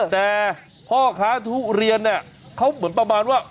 แต่พ่อค้าทุเรียนเนี่ยเขาเหมือนประมาณว่า